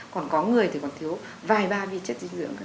còn có người thì còn thiếu vài ba vi chất dinh dưỡng